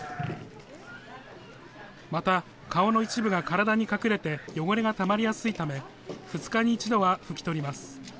また、顔の一部が体に隠れて汚れがたまりやすいため、２日に１度は拭き取ります。